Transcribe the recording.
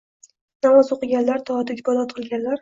Namoz o‘qiganlar. Toat-ibodat qilganlar.